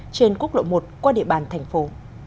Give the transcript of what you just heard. trên quốc lộ một qua địa bàn thành phố